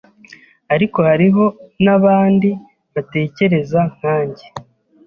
ariko hariho nabandi batekereza nkanjye